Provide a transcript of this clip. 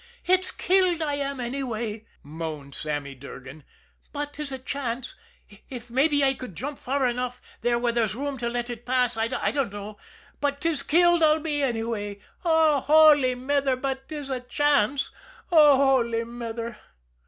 "It's killed I am, anyway," moaned Sammy Durgan. "But 'tis a chance. If if mabbe I could jump far enough there where there's room to let it pass, I dunno but 'tis killed, I'll be, anyway oh, Holy Mither but 'tis a chance oh, Holy Mither!"